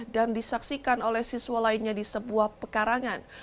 dan disaksikan oleh siswa lainnya di sebuah pekarangan